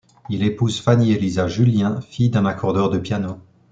Il épouse Fanny Elisa Julien, fille d'un accordeur de piano.